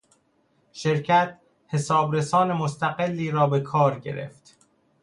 شرکت، حسابرسان مستقلی را به کار گرفت.